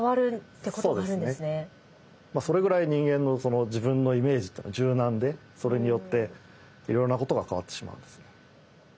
それぐらい人間の自分のイメージっていうのは柔軟でそれによっていろんなことが変わってしまうんですね。